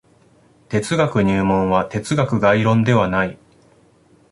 哲学入門は哲学概論ではない。